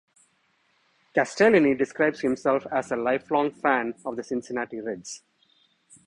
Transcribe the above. Castellini describes himself as a lifelong fan of the Cincinnati Reds.